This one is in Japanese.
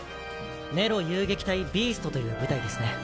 ネロ遊撃隊獣王という部隊ですね。